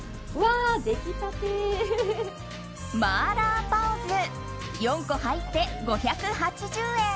麻辣パオズ４個入って５８０円。